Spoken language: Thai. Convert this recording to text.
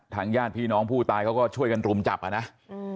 ทั้งญาติพี่น้องผู้ตายเค้าก็ช่วยกันทุมจับอย่างนั้นฮะ